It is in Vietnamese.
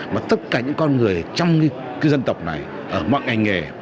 mà tất cả những con người trong cái dân tộc này ở mọi ngành nghề